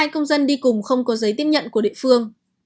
hai công dân đi cùng không có giấy tiếp nhận của địa phương